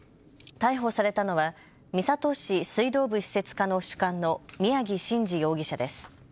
逮捕されたのは三郷市水道部施設課の主幹の宮城真司容疑者です。